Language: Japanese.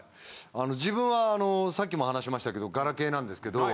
自分はさっきも話しましたけどガラケーなんですけど。